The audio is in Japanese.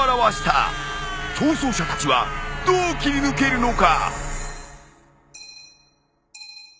逃走者たちはどう切り抜けるのか！？